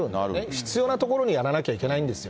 必要なところにやらなきゃいけないんですよ。